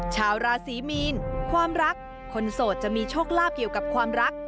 ชาวราศีมีนความรักคนโสดจะมีโชคลาภเกี่ยวกับความรัก